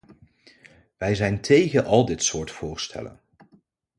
Wij zijn tegen al dit soort voorstellen.